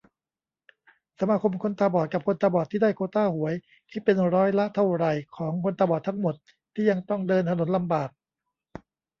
สมาคมคนตาบอดกับคนตาบอดที่ได้โควตาหวย คิดเป็นร้อยละเท่าไหร่ ของคนตาบอดทั้งหมด ที่ยังต้องเดินถนนลำบาก